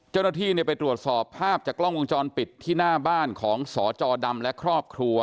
เจ้าหน้าที่ไปตรวจสอบภาพจากกล้องวงจรปิดที่หน้าบ้านของสจดำและครอบครัว